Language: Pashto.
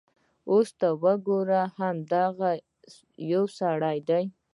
اوس ته ګوره همدغه یو سړی دی.